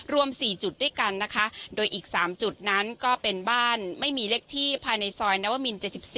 รวม๔จุดด้วยกันนะคะโดยอีก๓จุดนั้นก็เป็นบ้านไม่มีเลขที่ภายในซอยนวมิน๗๔